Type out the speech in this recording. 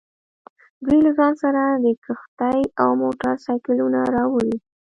دوی له ځان سره کښتۍ او موټر سایکلونه راوړي